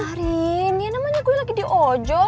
karin ya namanya gue lagi di ojo